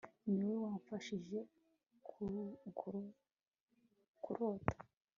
niwowe wamfashije kurota